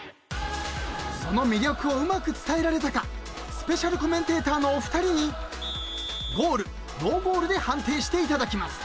［その魅力をうまく伝えられたかスペシャルコメンテーターのお二人に「ＧＯＡＬ」「ＮＯＧＯＡＬ」で判定していただきます］